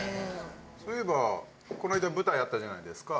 そういえばこの間舞台あったじゃないですか。